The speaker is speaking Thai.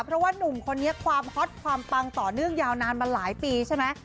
เพราะว่านุ่มคนนี้ความฮอตความปังต่อเนื่องยาวนานมาหลายปีใช่ไหม